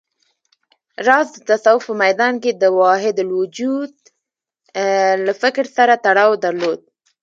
راز د تصوف په ميدان کې د وحدتالوجود له فکر سره تړاو درلود